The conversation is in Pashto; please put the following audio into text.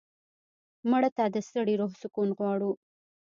مړه ته د ستړي روح سکون غواړو